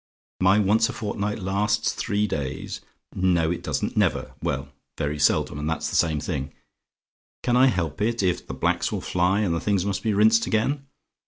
"MY 'ONCE A FORTNIGHT' LASTS THREE DAYS? "No, it doesn't; never; well, very seldom, and that's the same thing. Can I help it, if the blacks will fly, and the things must be rinsed again?